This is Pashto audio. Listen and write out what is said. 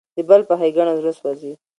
د بل په ښېګڼه زړه سوځي.